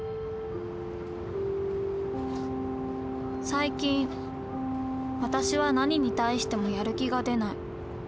最近私は何に対してもやる気が出ない。